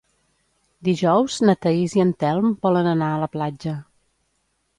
Dijous na Thaís i en Telm volen anar a la platja.